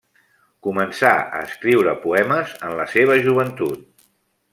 Començà a escriure poemes en la seva joventut.